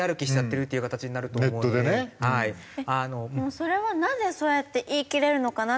それはなぜそうやって言い切れるのかなって。